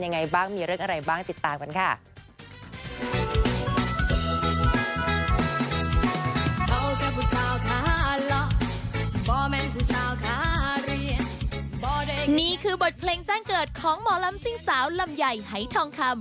นี่คือบทเพลงจ้างเกิดของหมอลำสิ้งสาวลำไยไหยทองค่ำ